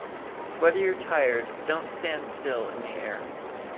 Sweaty or tired, don’t stand still in the air.